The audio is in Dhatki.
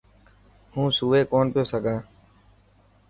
هون سوئي ڪونه پيو سگھان.